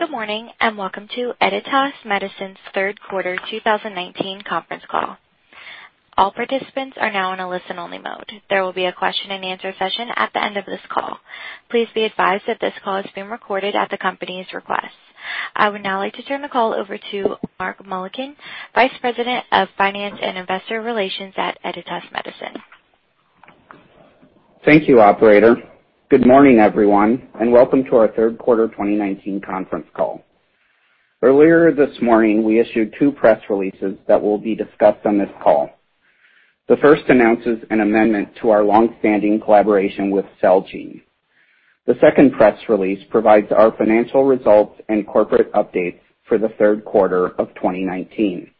Good morning, welcome to Editas Medicine's third quarter 2019 conference call. All participants are now in a listen-only mode. There will be a question and answer session at the end of this call. Please be advised that this call is being recorded at the company's request. I would now like to turn the call over to Mark Mullikin, Vice President of Finance and Investor Relations at Editas Medicine. Thank you, Operator. Good morning, everyone, and welcome to our third quarter 2019 conference call. Earlier this morning, we issued two press releases that will be discussed on this call. The first announces an amendment to our longstanding collaboration with Celgene. The second press release provides our financial results and corporate updates for the third quarter of 2019.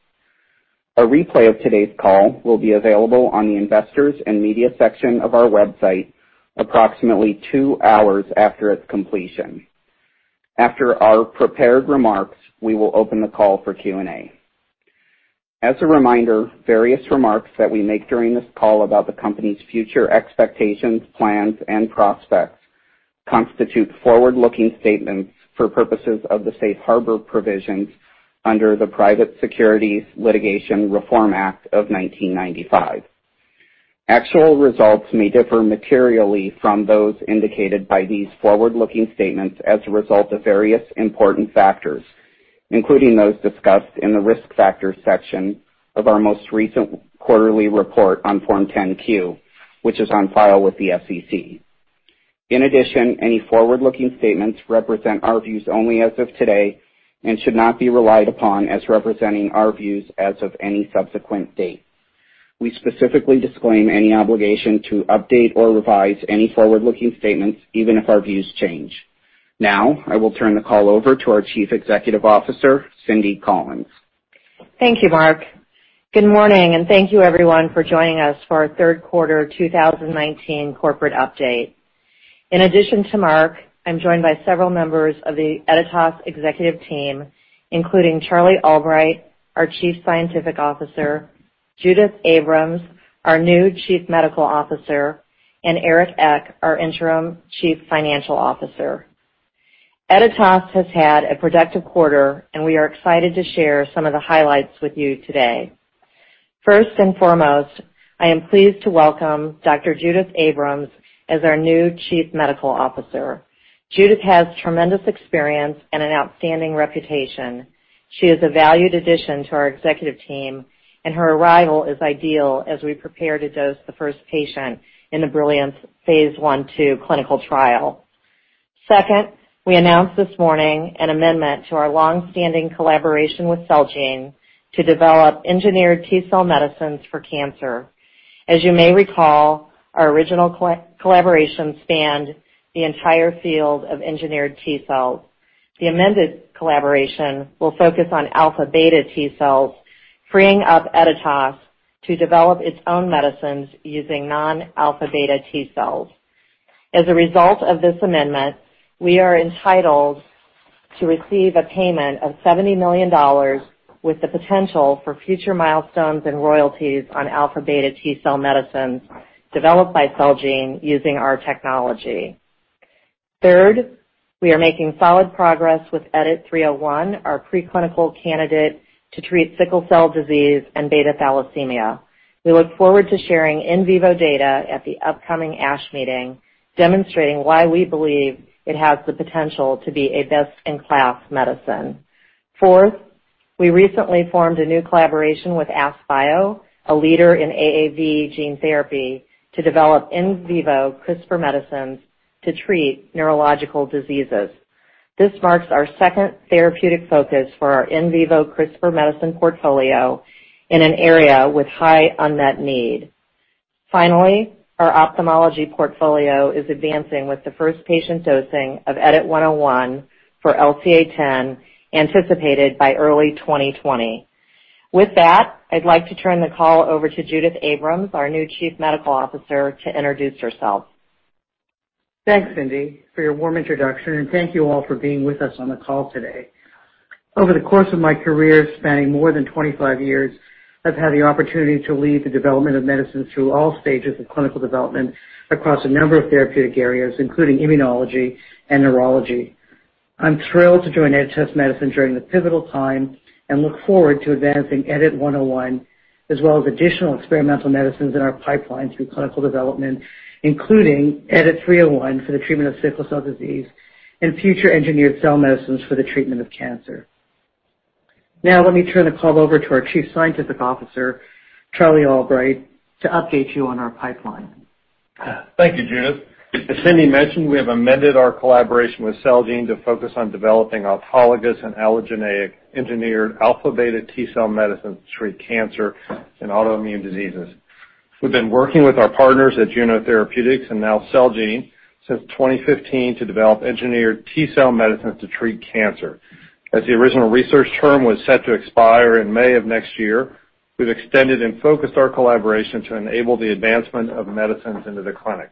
A replay of today's call will be available on the investors and media section of our website approximately two hours after its completion. After our prepared remarks, we will open the call for Q&A. As a reminder, various remarks that we make during this call about the company's future expectations, plans, and prospects constitute forward-looking statements for purposes of the safe harbor provisions under the Private Securities Litigation Reform Act of 1995. Actual results may differ materially from those indicated by these forward-looking statements as a result of various important factors, including those discussed in the risk factors section of our most recent quarterly report on Form 10-Q, which is on file with the SEC. In addition, any forward-looking statements represent our views only as of today and should not be relied upon as representing our views as of any subsequent date. We specifically disclaim any obligation to update or revise any forward-looking statements, even if our views change. Now, I will turn the call over to our Chief Executive Officer, Cindy Collins. Thank you, Mark. Good morning, thank you everyone for joining us for our third quarter 2019 corporate update. In addition to Mark, I'm joined by several members of the Editas executive team, including Charlie Albright, our Chief Scientific Officer, Judith Abrams, our new Chief Medical Officer, and Eric Ek, our interim Chief Financial Officer. Editas has had a productive quarter. We are excited to share some of the highlights with you today. First and foremost, I am pleased to welcome Dr. Judith Abrams as our new Chief Medical Officer. Judith has tremendous experience and an outstanding reputation. She is a valued addition to our executive team. Her arrival is ideal as we prepare to dose the first patient in the BRILLIANCE phase I/II clinical trial. Second, we announced this morning an amendment to our longstanding collaboration with Celgene to develop engineered T-cell medicines for cancer. As you may recall, our original collaboration spanned the entire field of engineered T-cells. The amended collaboration will focus on alpha/beta T-cells, freeing up Editas to develop its own medicines using non-alpha/beta T-cells. As a result of this amendment, we are entitled to receive a payment of $70 million with the potential for future milestones and royalties on alpha/beta T-cell medicines developed by Celgene using our technology. Third, we are making solid progress with EDIT-301, our pre-clinical candidate to treat sickle cell disease and beta-thalassemia. We look forward to sharing in vivo data at the upcoming ASH meeting, demonstrating why we believe it has the potential to be a best-in-class medicine. Fourth, we recently formed a new collaboration with AskBio, a leader in AAV gene therapy, to develop in vivo CRISPR medicines to treat neurological diseases. This marks our second therapeutic focus for our in vivo CRISPR medicine portfolio in an area with high unmet need. Our ophthalmology portfolio is advancing with the first patient dosing of EDIT-101 for LCA10 anticipated by early 2020. With that, I'd like to turn the call over to Judith Abrams, our new Chief Medical Officer, to introduce herself. Thanks, Cindy, for your warm introduction. Thank you all for being with us on the call today. Over the course of my career, spanning more than 25 years, I've had the opportunity to lead the development of medicines through all stages of clinical development across a number of therapeutic areas, including immunology and neurology. I'm thrilled to join Editas Medicine during this pivotal time and look forward to advancing EDIT-101 as well as additional experimental medicines in our pipeline through clinical development, including EDIT-301 for the treatment of sickle cell disease and future engineered cell medicines for the treatment of cancer. Now let me turn the call over to our Chief Scientific Officer, Charlie Albright, to update you on our pipeline. Thank you, Judith. As Cindy mentioned, we have amended our collaboration with Celgene to focus on developing autologous and allogeneic engineered alpha/beta T-cell medicines to treat cancer and autoimmune diseases. We've been working with our partners at Juno Therapeutics and now Celgene since 2015 to develop engineered T-cell medicines to treat cancer. As the original research term was set to expire in May of next year, we've extended and focused our collaboration to enable the advancement of medicines into the clinic.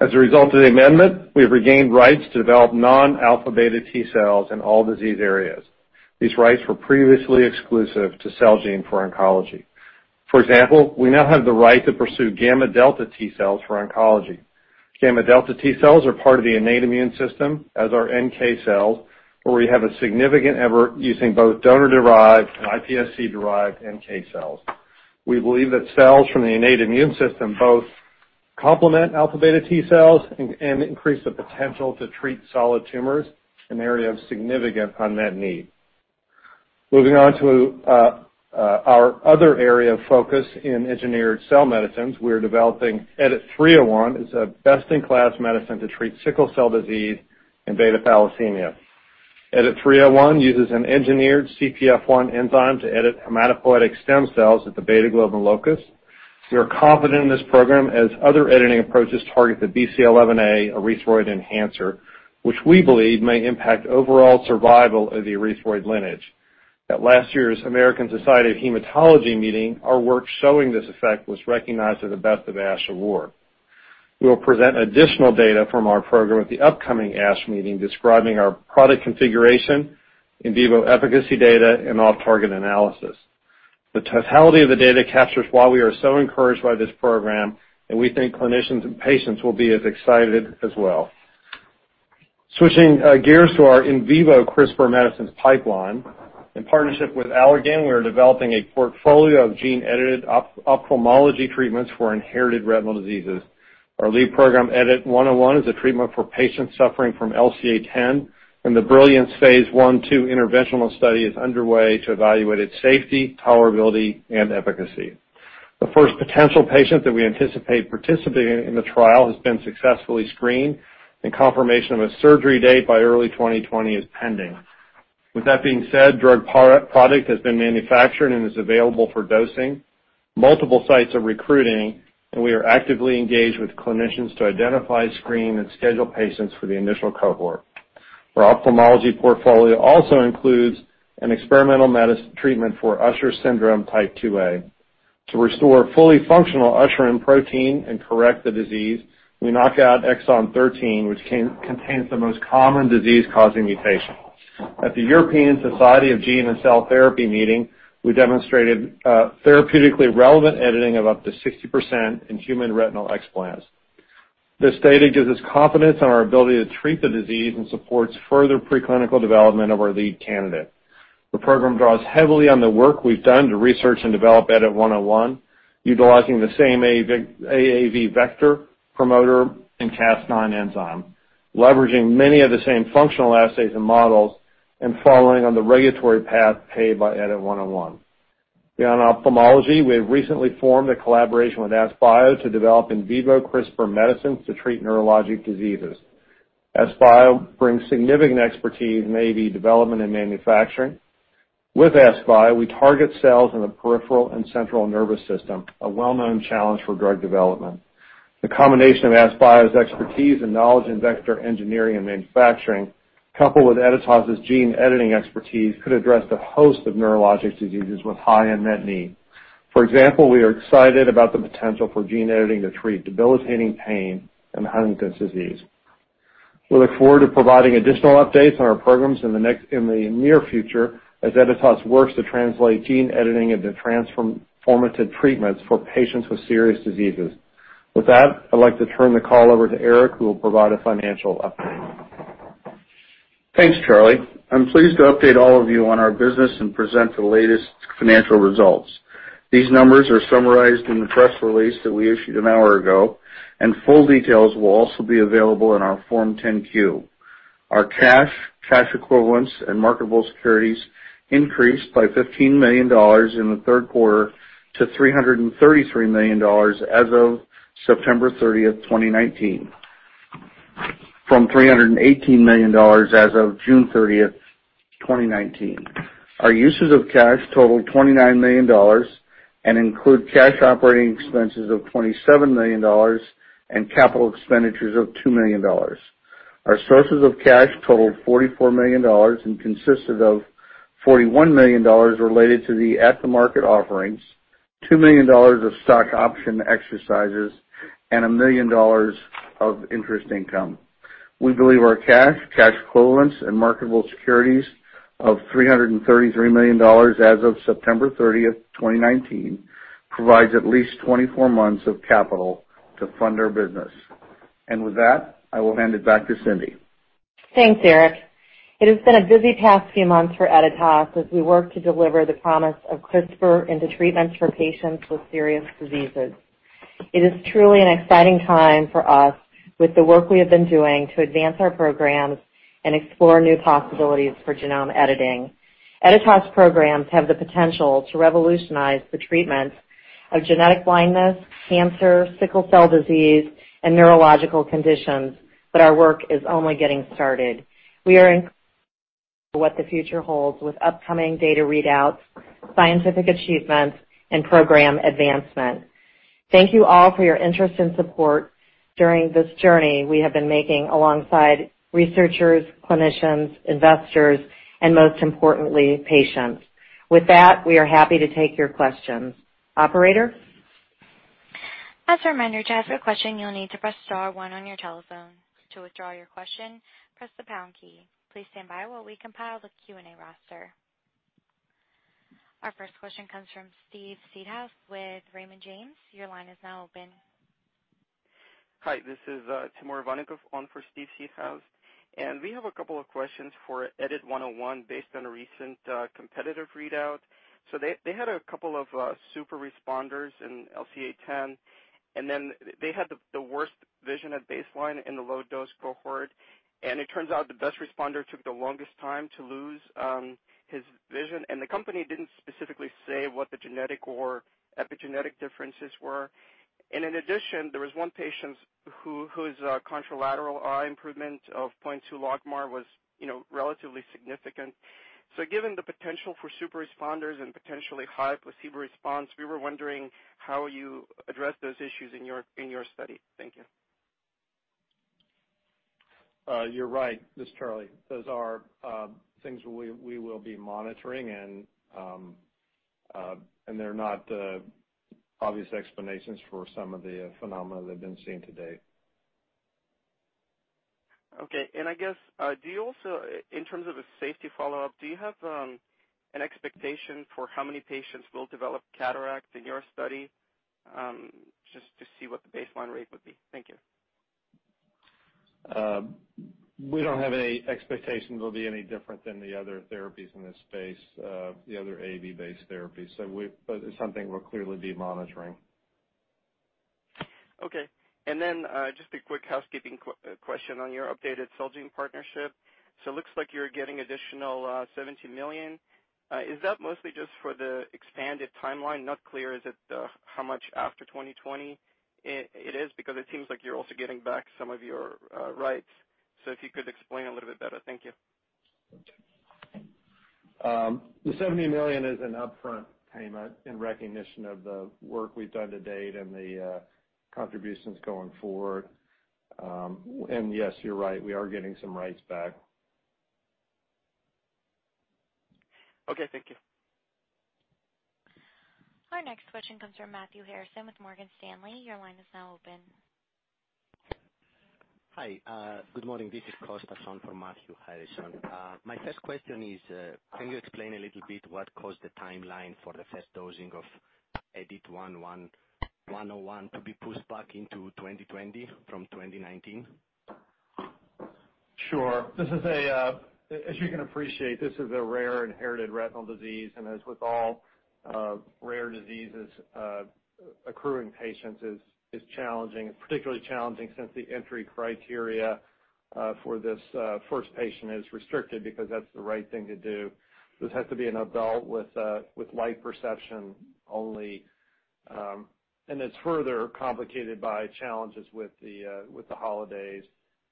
As a result of the amendment, we have regained rights to develop non-alpha/beta T-cells in all disease areas. These rights were previously exclusive to Celgene for oncology. For example, we now have the right to pursue gamma delta T cells for oncology. Gamma delta T cells are part of the innate immune system, as are NK cells, where we have a significant effort using both donor-derived and iPSC-derived NK cells. We believe that cells from the innate immune system both complement alpha/beta T-cells and increase the potential to treat solid tumors, an area of significant unmet need. Moving on to our other area of focus in engineered cell medicines we are developing, EDIT-301 is a best-in-class medicine to treat sickle cell disease and beta-thalassemia. EDIT-301 uses an engineered Cpf1 enzyme to edit hematopoietic stem cells at the beta globin locus. We are confident in this program as other editing approaches target the BCL11A erythroid enhancer, which we believe may impact overall survival of the erythroid lineage. At last year's American Society of Hematology meeting, our work showing this effect was recognized with a Best of ASH Award. We will present additional data from our program at the upcoming ASH meeting describing our product configuration, in vivo efficacy data, and off-target analysis. The totality of the data captures why we are so encouraged by this program, and we think clinicians and patients will be as excited as well. Switching gears to our in vivo CRISPR medicines pipeline, in partnership with Allergan, we are developing a portfolio of gene-edited ophthalmology treatments for inherited retinal diseases. Our lead program, EDIT-101, is a treatment for patients suffering from LCA10, and the BRILLIANCE phase I/II interventional study is underway to evaluate its safety, tolerability, and efficacy. The first potential patient that we anticipate participating in the trial has been successfully screened, and confirmation of a surgery date by early 2020 is pending. With that being said, drug product has been manufactured and is available for dosing. Multiple sites are recruiting, and we are actively engaged with clinicians to identify, screen, and schedule patients for the initial cohort. Our ophthalmology portfolio also includes an experimental treatment for Usher syndrome type 2A. To restore fully functional Usherin protein and correct the disease, we knock out exon 13, which contains the most common disease-causing mutation. At the European Society of Gene and Cell Therapy meeting, we demonstrated therapeutically relevant editing of up to 60% in human retinal explants. This data gives us confidence in our ability to treat the disease and supports further preclinical development of our lead candidate. The program draws heavily on the work we've done to research and develop EDIT-101, utilizing the same AAV vector promoter and Cas9 enzyme, leveraging many of the same functional assays and models, and following on the regulatory path paved by EDIT-101. Beyond ophthalmology, we have recently formed a collaboration with AskBio to develop in vivo CRISPR medicines to treat neurologic diseases. AskBio brings significant expertise in AAV development and manufacturing. With AskBio, we target cells in the peripheral and central nervous system, a well-known challenge for drug development. The combination of AskBio's expertise and knowledge in vector engineering and manufacturing, coupled with Editas' gene editing expertise, could address a host of neurologic diseases with high unmet need. For example, we are excited about the potential for gene editing to treat debilitating pain and Huntington's disease. We look forward to providing additional updates on our programs in the near future as Editas works to translate gene editing into transformative treatments for patients with serious diseases. With that, I'd like to turn the call over to Eric, who will provide a financial update. Thanks, Charlie. I'm pleased to update all of you on our business and present the latest financial results. These numbers are summarized in the press release that we issued an hour ago. Full details will also be available in our Form 10-Q. Our cash equivalents, and marketable securities increased by $15 million in the third quarter to $333 million as of September 30th, 2019, from $318 million as of June 30th, 2019. Our uses of cash totaled $29 million and include cash operating expenses of $27 million and capital expenditures of $2 million. Our sources of cash totaled $44 million and consisted of $41 million related to the at-the-market offerings, $2 million of stock option exercises, and $1 million of interest income. We believe our cash equivalents, and marketable securities of $333 million as of September 30th, 2019, provides at least 24 months of capital to fund our business. With that, I will hand it back to Cindy. Thanks, Eric. It has been a busy past few months for Editas as we work to deliver the promise of CRISPR into treatments for patients with serious diseases. It is truly an exciting time for us with the work we have been doing to advance our programs and explore new possibilities for genome editing. Editas programs have the potential to revolutionize the treatment of genetic blindness, cancer, sickle cell disease, and neurological conditions, but our work is only getting started. We are excited for what the future holds with upcoming data readouts, scientific achievements, and program advancement. Thank you all for your interest and support during this journey we have been making alongside researchers, clinicians, investors, and most importantly, patients. With that, we are happy to take your questions. Operator? As a reminder, to ask a question, you'll need to press star one on your telephone. To withdraw your question, press the pound key. Please stand by while we compile the Q&A roster. Our first question comes from Steve Seedhouse with Raymond James. Your line is now open. Hi, this is Timur Ivannikov on for Steve Seedhouse. We have a couple of questions for EDIT-101 based on a recent competitive readout. They had a couple of super responders in LCA10. Then they had the worst vision at baseline in the low-dose cohort. It turns out the best responder took the longest time to lose his vision. The company didn't specifically say what the genetic or epigenetic differences were. In addition, there was one patient whose contralateral eye improvement of 0.2 logMAR was relatively significant. Given the potential for super responders and potentially high placebo response, we were wondering how you address those issues in your study. Thank you. You're right, this is Charlie. Those are things we will be monitoring, and they're not obvious explanations for some of the phenomena that have been seen to date. Okay. I guess, do you also, in terms of a safety follow-up, do you have an expectation for how many patients will develop cataracts in your study? Just to see what the baseline rate would be. Thank you. We don't have any expectation it'll be any different than the other therapies in this space, the other AAV-based therapies. It's something we'll clearly be monitoring. Okay. Just a quick housekeeping question on your updated Celgene partnership. Looks like you're getting additional $70 million. Is that mostly just for the expanded timeline? Not clear how much after 2020 it is, because it seems like you're also getting back some of your rights. If you could explain a little bit better. Thank you. The $70 million is an upfront payment in recognition of the work we've done to date and the contributions going forward. Yes, you're right, we are getting some rights back. Okay, thank you. Our next question comes from Matthew Harrison with Morgan Stanley. Your line is now open. Hi, good morning. This is Kosta Sohn for Matthew Harrison. My first question is, can you explain a little bit what caused the timeline for the first dosing of EDIT-101 to be pushed back into 2020 from 2019? Sure. As you can appreciate, this is a rare inherited retinal disease, and as with all rare diseases, accruing patients is challenging. Particularly challenging since the entry criteria for this first patient is restricted because that's the right thing to do. This has to be an adult with light perception only. It's further complicated by challenges with the holidays.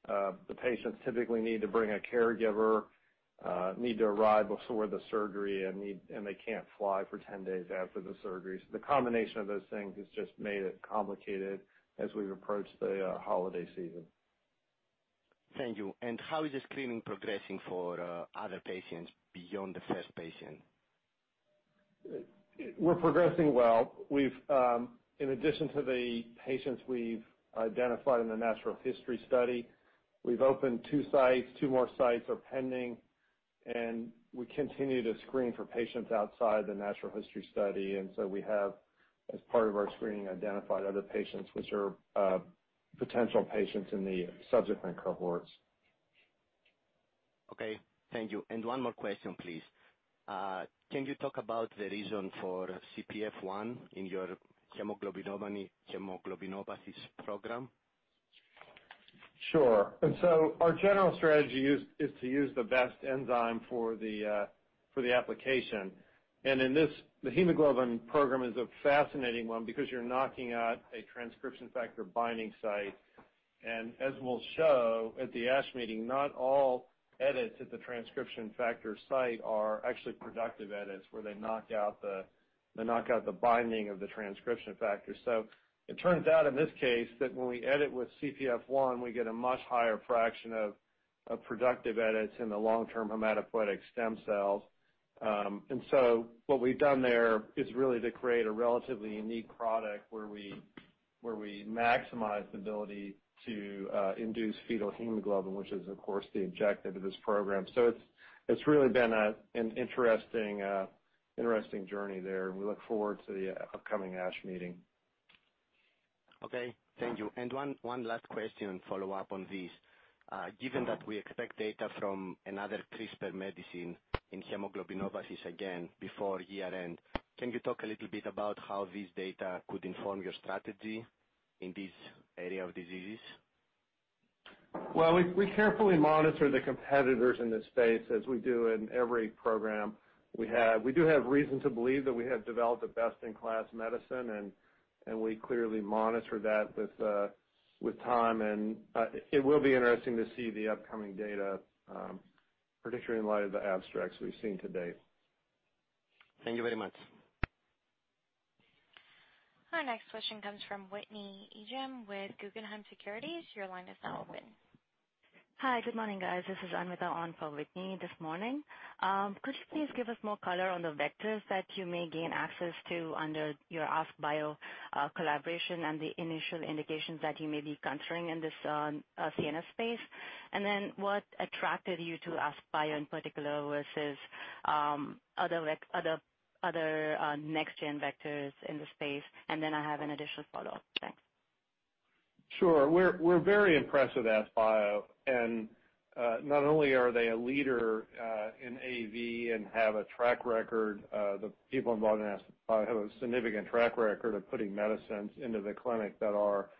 The patients typically need to bring a caregiver, need to arrive before the surgery, and they can't fly for 10 days after the surgery. The combination of those things has just made it complicated as we've approached the holiday season. Thank you. How is the screening progressing for other patients beyond the first patient? We're progressing well. In addition to the patients we've identified in the natural history study, we've opened two sites. Two more sites are pending. We continue to screen for patients outside the natural history study. We have, as part of our screening, identified other patients which are potential patients in the subsequent cohorts. Okay, thank you. One more question, please. Can you talk about the reason for Cpf1 in your hemoglobinopathy program? Sure. Our general strategy is to use the best enzyme for the application. In this, the hemoglobin program is a fascinating one because you're knocking out a transcription factor binding site. As we'll show at the ASH meeting, not all edits at the transcription factor site are actually productive edits where they knock out the binding of the transcription factor. It turns out in this case that when we edit with Cpf1, we get a much higher fraction of productive edits in the long-term hematopoietic stem cells. What we've done there is really to create a relatively unique product where we maximize the ability to induce fetal hemoglobin, which is of course the objective of this program. It's really been an interesting journey there, and we look forward to the upcoming ASH meeting. Okay. Thank you. One last question to follow up on this. Given that we expect data from another CRISPR medicine in hemoglobinopathies again before year-end, can you talk a little bit about how this data could inform your strategy in this area of diseases? We carefully monitor the competitors in this space as we do in every program we have. We do have reason to believe that we have developed a best-in-class medicine, and we clearly monitor that with time. It will be interesting to see the upcoming data, particularly in light of the abstracts we've seen to date. Thank you very much. Our next question comes from Whitney Ijem with Guggenheim Securities. Your line is now open. Hi, good morning, guys. This is Amita on for Whitney this morning. Could you please give us more color on the vectors that you may gain access to under your AskBio collaboration and the initial indications that you may be considering in this CNS space? What attracted you to AskBio in particular versus other next-gen vectors in the space? I have an additional follow-up. Thanks. Sure. We're very impressed with AskBio, not only are they a leader in AAV and have a track record, the people involved in AskBio have a significant track record of putting medicines into the clinic that are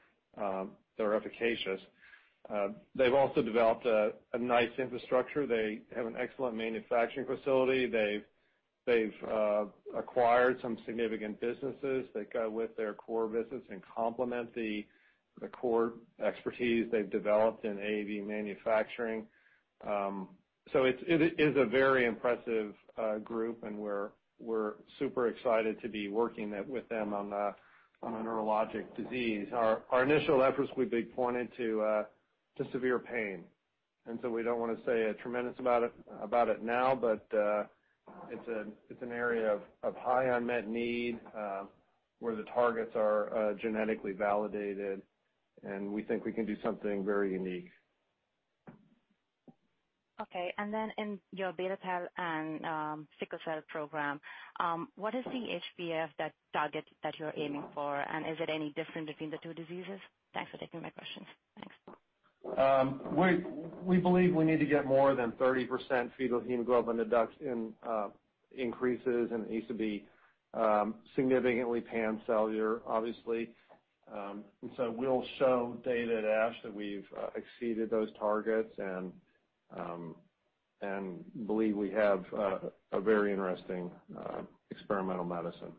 efficacious. They've also developed a nice infrastructure. They have an excellent manufacturing facility. They've acquired some significant businesses that go with their core business and complement the core expertise they've developed in AAV manufacturing. It is a very impressive group, and we're super excited to be working with them on the neurologic disease. Our initial efforts will be pointed to severe pain. We don't want to say tremendous about it now. It's an area of high unmet need, where the targets are genetically validated, and we think we can do something very unique. Okay, in your beta thal and sickle cell program, what is the HBF target that you're aiming for, and is it any different between the two diseases? Thanks for taking my questions. Thanks. We believe we need to get more than 30% fetal hemoglobin increases, and it needs to be significantly pancellular, obviously. We'll show data at ASH that we've exceeded those targets and believe we have a very interesting experimental medicine.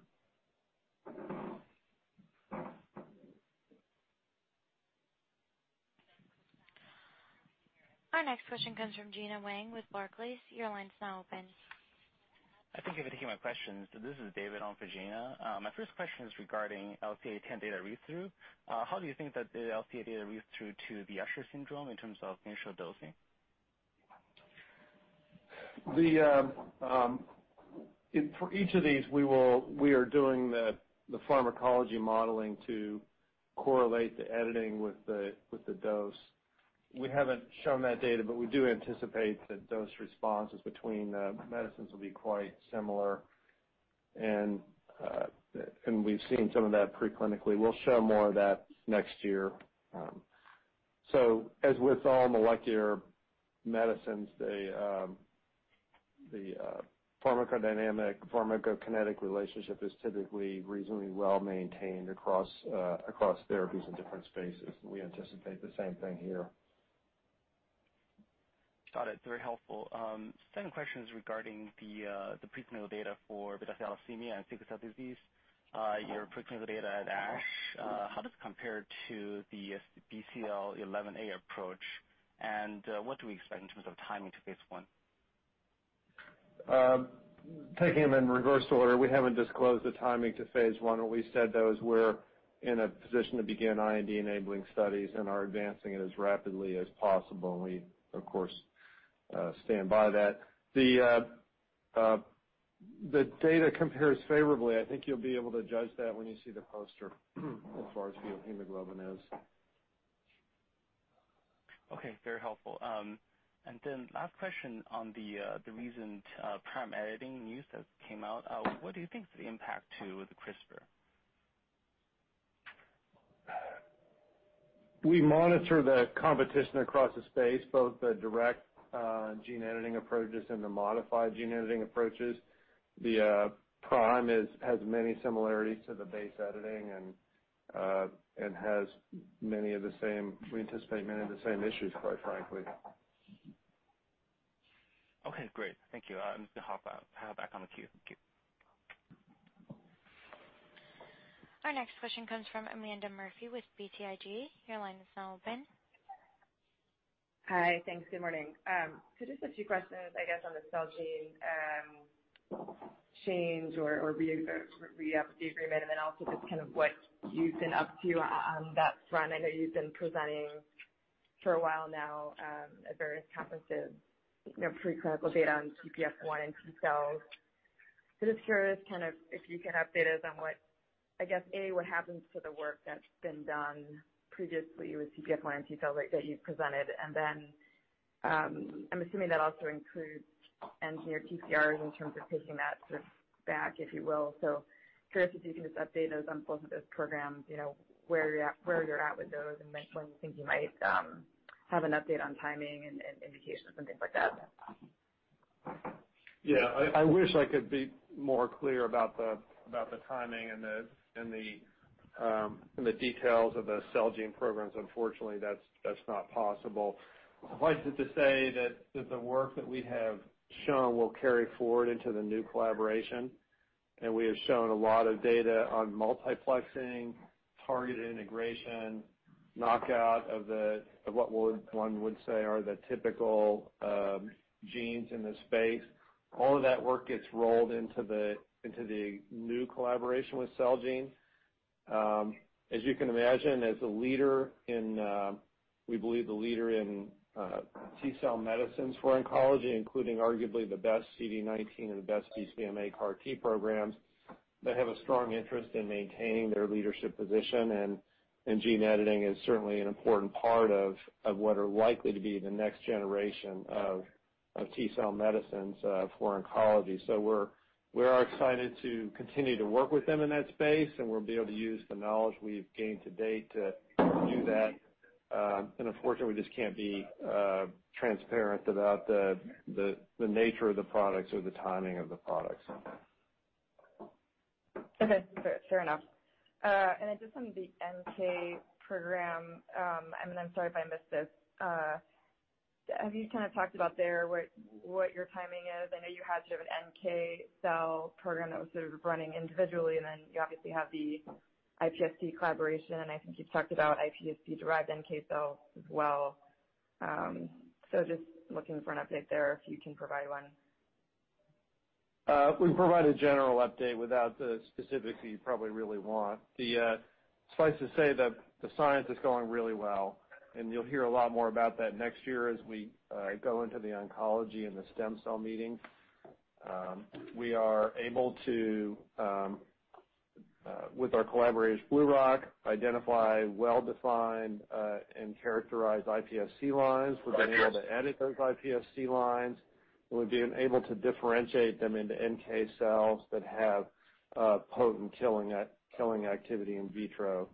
Our next question comes from Gena Wang with Barclays. Your line's now open. Thank you for taking my questions. This is David on for Gena. My first question is regarding LCA10 data read-through. How do you think that the LCA data read-through to the Usher syndrome in terms of initial dosing? For each of these, we are doing the pharmacology modeling to correlate the editing with the dose. We haven't shown that data. We do anticipate that dose responses between medicines will be quite similar. We've seen some of that pre-clinically. We'll show more of that next year. As with all molecular medicines, the pharmacodynamic, pharmacokinetic relationship is typically reasonably well-maintained across therapies in different spaces. We anticipate the same thing here. Got it. Very helpful. Second question is regarding the pre-clinical data for beta thalassemia and sickle cell disease, your pre-clinical data at ASH. How does it compare to the BCL11A approach, and what do we expect in terms of timing to phase I? Taking them in reverse order, we haven't disclosed the timing to phase I. What we said though is we're in a position to begin IND-enabling studies and are advancing it as rapidly as possible, and we, of course, stand by that. The data compares favorably. I think you'll be able to judge that when you see the poster as far as fetal hemoglobin is. Okay. Very helpful. Last question on the recent prime editing news that came out. What do you think is the impact to the CRISPR? We monitor the competition across the space, both the direct gene editing approaches and the modified gene editing approaches. The prime has many similarities to the base editing and we anticipate many of the same issues, quite frankly. Okay, great. Thank you. I'll hop back on the queue. Thank you. Our next question comes from Amanda Murphy with BTIG. Your line is now open. Hi. Thanks. Good morning. Just a few questions, I guess, on the Celgene change or re-up of the agreement, and then also just what you've been up to on that front. I know you've been presenting for a while now at various conferences, preclinical data on TCF1 and T-cell. Just curious if you can update us on what, I guess, A, what happens to the work that's been done previously with TCF1 and T-cell that you've presented, and then I'm assuming that also includes engineer TCRs in terms of taking that back, if you will. Curious if you can just update us on both of those programs, where you're at with those and when you think you might have an update on timing and indications and things like that? Yeah. I wish I could be more clear about the timing and the details of the Celgene programs. Unfortunately, that's not possible. Suffice it to say that the work that we have shown will carry forward into the new collaboration. We have shown a lot of data on multiplexing, targeted integration, knockout of what one would say are the typical genes in this space. All of that work gets rolled into the new collaboration with Celgene. As you can imagine, as we believe the leader in T-cell medicines for oncology, including arguably the best CD19 and the best BCMA CAR T programs, they have a strong interest in maintaining their leadership position. Gene editing is certainly an important part of what are likely to be the next generation of T-cell medicines for oncology. We're excited to continue to work with them in that space, and we'll be able to use the knowledge we've gained to date to do that. Unfortunately, we just can't be transparent about the nature of the products or the timing of the products. Okay. Fair enough. Just on the NK program, and I'm sorry if I missed this. Have you talked about there what your timing is? I know you had an NK cell program that was sort of running individually, and then you obviously have the iPSC collaboration, and I think you've talked about iPSC-derived NK cells as well. Just looking for an update there, if you can provide one. We provide a general update without the specifics that you probably really want. Suffice to say that the science is going really well, and you'll hear a lot more about that next year as we go into the oncology and the stem cell meeting. We are able to, with our collaborators BlueRock, identify well-defined and characterized iPSC lines. We've been able to edit those iPSC lines, and we've been able to differentiate them into NK cells that have potent killing activity in vitro.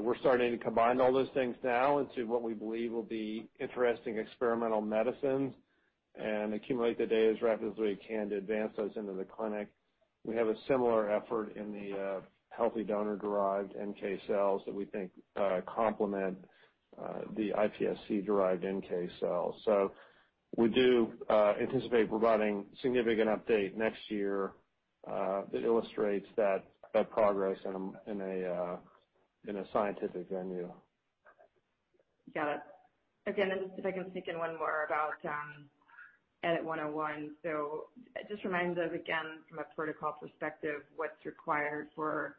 We're starting to combine all those things now into what we believe will be interesting experimental medicines and accumulate the data as rapidly as we can to advance those into the clinic. We have a similar effort in the healthy donor-derived NK cells that we think complement the iPSC-derived NK cells. We do anticipate providing significant update next year that illustrates that progress in a scientific venue. Got it. Again, if I can sneak in one more about EDIT-101. Just remind us again from a protocol perspective, what's required for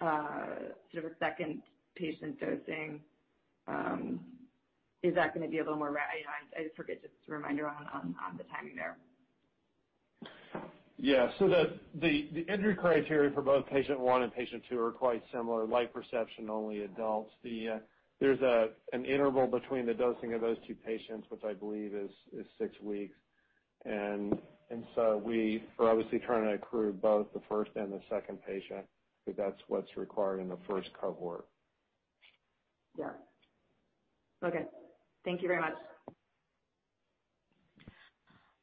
sort of a second patient dosing. Is that going to be a little more I just forget? Just a reminder on the timing there. Yeah. The entry criteria for both patient 1 and patient 2 are quite similar. Light perception, only adults. There's an interval between the dosing of those two patients, which I believe is six weeks. We are obviously trying to accrue both the first and the second patient, because that's what's required in the first cohort. Yeah. Okay. Thank you very much.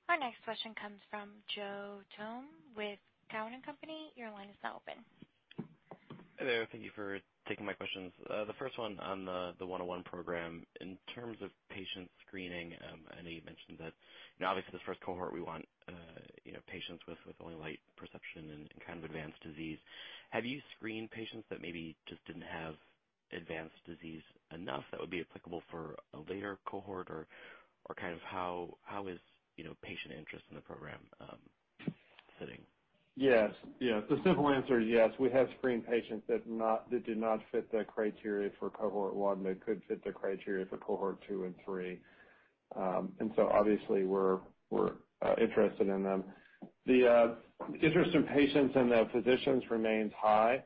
Our next question comes from Joe Thome with Cowen and Company. Your line is now open. Hi there. Thank you for taking my questions. The first one on the 101 program. In terms of patient screening, I know you mentioned that obviously the first cohort we want patients with only light perception and kind of advanced disease. Have you screened patients that maybe just didn't have advanced disease enough that would be applicable for a later cohort? How is patient interest in the program sitting? Yes. The simple answer is yes. We have screened patients that did not fit the criteria for cohort 1, that could fit the criteria for cohort 2 and 3. Obviously we're interested in them. The interest in patients and their physicians remains high.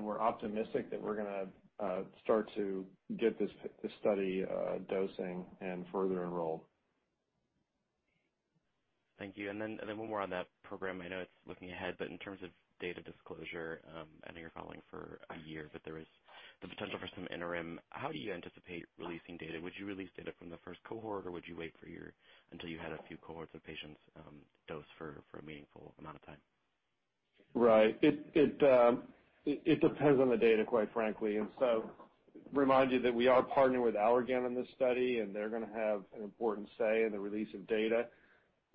We're optimistic that we're going to start to get this study dosing and further enroll. Thank you. One more on that program. I know it's looking ahead, but in terms of data disclosure, I know you're following for a year, but there is the potential for some interim. How do you anticipate releasing data? Would you release data from the first cohort, or would you wait until you had a few cohorts of patients dosed for a meaningful amount of time? Right. It depends on the data, quite frankly. Remind you that we are partnered with Allergan on this study, and they're going to have an important say in the release of data.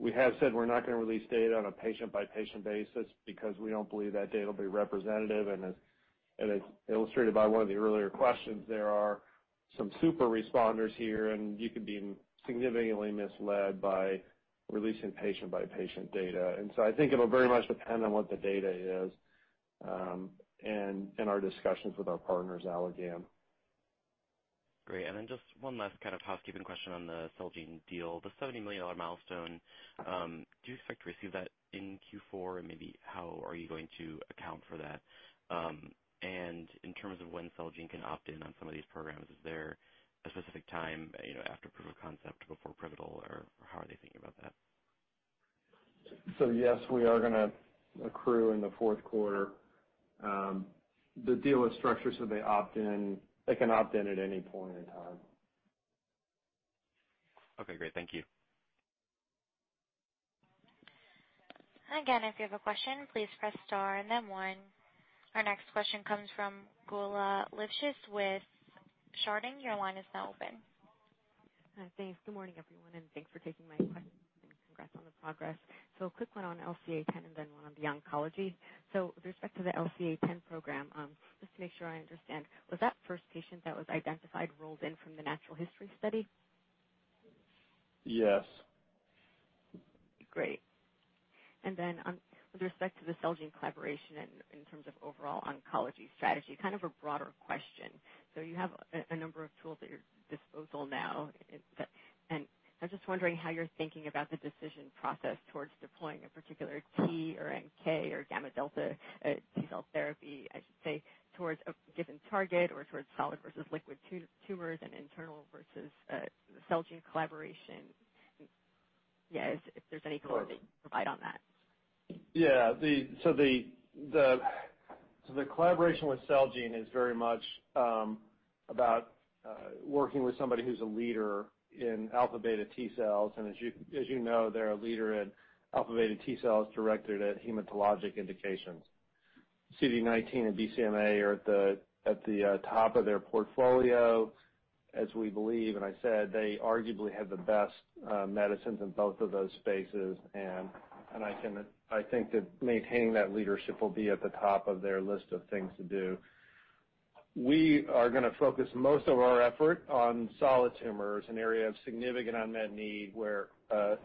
We have said we're not going to release data on a patient-by-patient basis because we don't believe that data will be representative, and as illustrated by one of the earlier questions, there are some super responders here, and you can be significantly misled by releasing patient-by-patient data. I think it'll very much depend on what the data is, and our discussions with our partners, Allergan. Great. Just one last kind of housekeeping question on the Celgene deal, the $70 million milestone. Do you expect to receive that in Q4? Maybe how are you going to account for that? In terms of when Celgene can opt in on some of these programs, is there a specific time after proof of concept, before pivotal, or how are they thinking about that? Yes, we are going to accrue in the fourth quarter. The deal is structured, so they can opt in at any point in time. Okay, great. Thank you. Again, if you have a question, please press star and then one. Our next question comes from Geulah Livshits with Chardan. Your line is now open. Thanks. Good morning, everyone, and thanks for taking my questions and congrats on the progress. A quick one on LCA10 and then one on the oncology. With respect to the LCA10 program, just to make sure I understand, was that first patient that was identified rolled in from the natural history study? Yes Great. With respect to the Celgene collaboration in terms of overall oncology strategy, kind of a broader question, you have a number of tools at your disposal now, and I'm just wondering how you're thinking about the decision process towards deploying a particular T or NK or gamma delta T cell therapy, I should say, towards a given target or towards solid versus liquid tumors and internal versus Celgene collaboration. If there's any color that you can provide on that. The collaboration with Celgene is very much about working with somebody who's a leader in alpha/beta T cells, and as you know, they're a leader in alpha/beta T cells directed at hematologic indications. CD19 and BCMA are at the top of their portfolio, as we believe, and I said they arguably have the best medicines in both of those spaces, and I think that maintaining that leadership will be at the top of their list of things to do. We are going to focus most of our effort on solid tumors, an area of significant unmet need where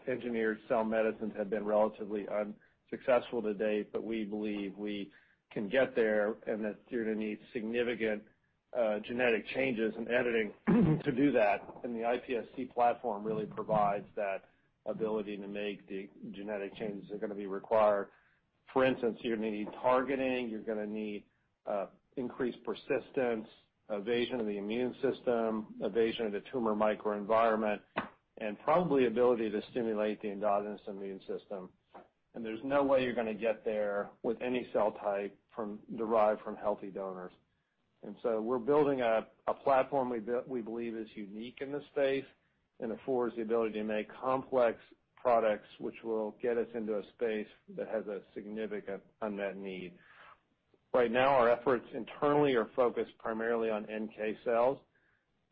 engineered cell medicines have been relatively unsuccessful to date, but we believe we can get there and that you're going to need significant genetic changes and editing to do that. The iPSC platform really provides that ability to make the genetic changes that are going to be required. For instance, you're going to need targeting, you're going to need increased persistence, evasion of the immune system, evasion of the tumor microenvironment, and probably ability to stimulate the endogenous immune system. There's no way you're going to get there with any cell type derived from healthy donors. We're building a platform we believe is unique in the space and affords the ability to make complex products which will get us into a space that has a significant unmet need. Right now, our efforts internally are focused primarily on NK cells.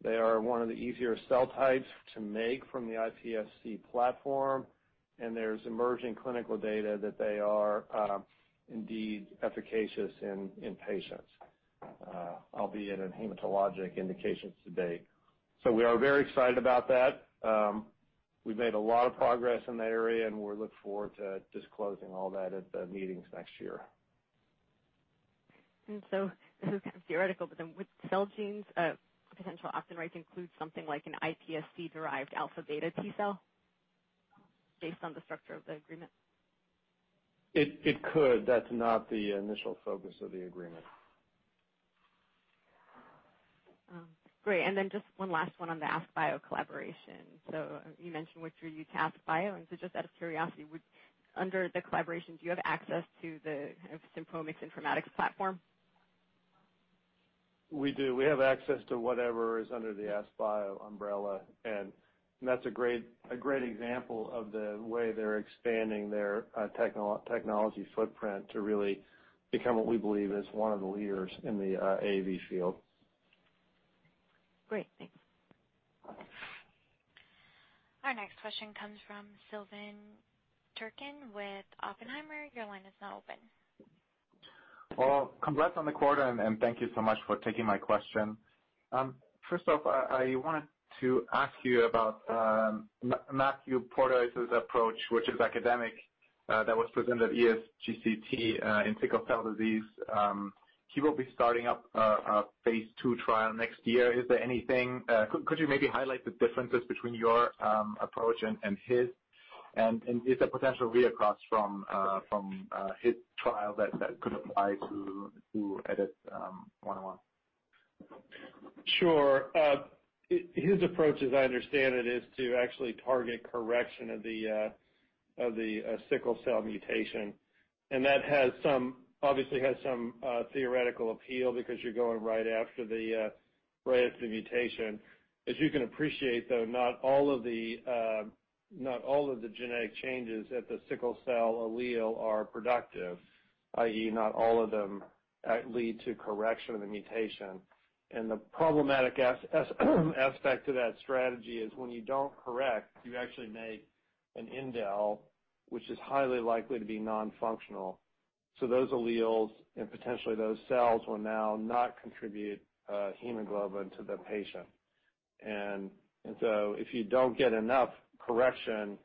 They are one of the easier cell types to make from the iPSC platform, and there's emerging clinical data that they are indeed efficacious in patients, albeit in hematologic indications to date. We are very excited about that. We've made a lot of progress in that area, and we look forward to disclosing all that at the meetings next year. This is kind of theoretical, but then would Celgene's potential opt-in rights include something like an iPSC-derived alpha/beta T cell based on the structure of the agreement? It could. That's not the initial focus of the agreement. Great. Just one last one on the AskBio collaboration. You mentioned went through AskBio. Just out of curiosity, under the collaboration, do you have access to the Synpromics informatics platform? We do. That's a great example of the way they're expanding their technology footprint to really become what we believe is one of the leaders in the AAV field. Great. Thanks. Our next question comes from Silvan Tuerkcan with Oppenheimer. Your line is now open. Well, congrats on the quarter, and thank you so much for taking my question. First off, I wanted to ask you about Matthew Porteus' approach, which is academic, that was presented at ESGCT in sickle cell disease. He will be starting up a phase II trial next year. Could you maybe highlight the differences between your approach and his, and is there potential read-across from his trial that could apply to EDIT-101? Sure. His approach, as I understand it, is to actually target correction of the sickle cell mutation. That obviously has some theoretical appeal because you're going right after the mutation. As you can appreciate, though, not all of the genetic changes at the sickle cell allele are productive, i.e., not all of them lead to correction of the mutation. The problematic aspect to that strategy is when you don't correct, you actually make an indel, which is highly likely to be non-functional. Those alleles, and potentially those cells, will now not contribute hemoglobin to the patient. If you don't get enough correction,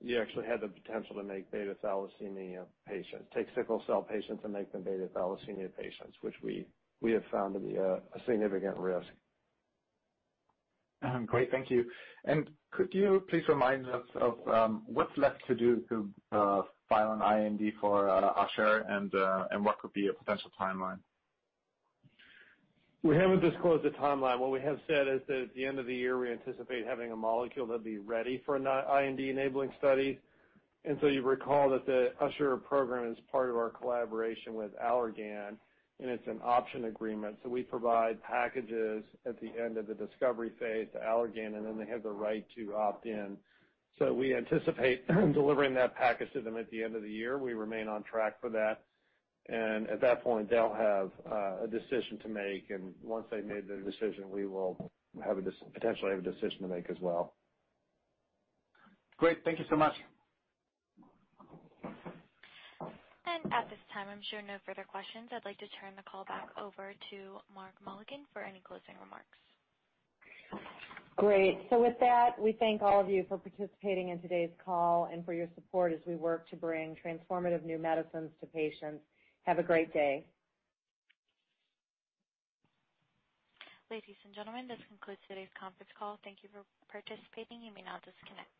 you actually have the potential to make beta-thalassemia patients, take sickle cell patients and make them beta-thalassemia patients, which we have found to be a significant risk. Great. Thank you. Could you please remind us of what's left to do to file an IND for Usher and what could be a potential timeline? We haven't disclosed a timeline. What we have said is that at the end of the year, we anticipate having a molecule that'd be ready for an IND-enabling study. You recall that the Usher program is part of our collaboration with Allergan, and it's an option agreement, so we provide packages at the end of the discovery phase to Allergan, and then they have the right to opt in. We anticipate delivering that package to them at the end of the year. We remain on track for that. At that point, they'll have a decision to make, and once they've made their decision, we will potentially have a decision to make as well. Great. Thank you so much. At this time, I'm showing no further questions. I'd like to turn the call back over to Mark Mullikin for any closing remarks. Great. With that, we thank all of you for participating in today's call and for your support as we work to bring transformative new medicines to patients. Have a great day. Ladies and gentlemen, this concludes today's conference call. Thank you for participating. You may now disconnect.